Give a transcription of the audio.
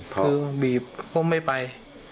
คือบีบผมไม่ไป